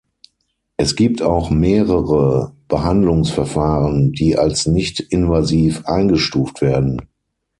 Es gibt auch mehrere Behandlungsverfahren, die als nicht invasiv eingestuft werden.